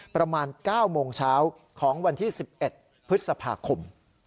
ประมาณ๙โมงเช้าของวันที่๑๑พฤษภาคม